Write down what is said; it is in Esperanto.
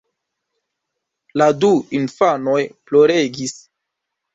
La du infanoj ploregis.